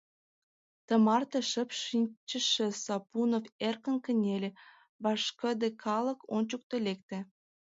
Тымарте шып шинчыше Сапунов эркын кынеле, вашкыде калык ончыко лекте.